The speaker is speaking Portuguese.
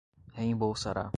reembolsará